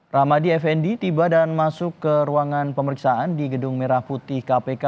ramadi effendi tiba dan masuk ke ruangan pemeriksaan di gedung merah putih kpk